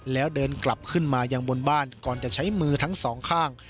แล้วเดินกลับขึ้นมายังบนบ้านก่อนจะใช้มือทั้งสองข้าง